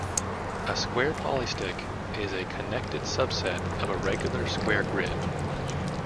A square polystick is a connected subset of a regular square grid.